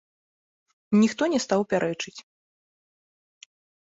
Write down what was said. Ніхто не стаў пярэчыць.